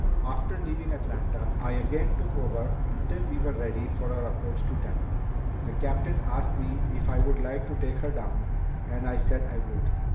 After leaving Atlanta, I again took over until we were ready for our approach to Tampa. The captain asked me if I would like to take her down, and I said I would.